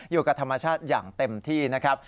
อยู่กับธรรมชาติอย่างเต็มที่นะครับ